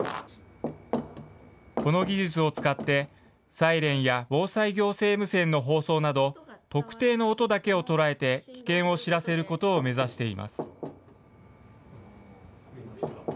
この技術を使って、サイレンや防災行政無線の放送など、特定の音だけを捉えて危険を知らせることを目指しています。